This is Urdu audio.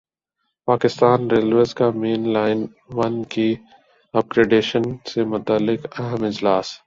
پاکستان ریلویز کا مین لائن ون کی اپ گریڈیشن سے متعلق اہم اجلاس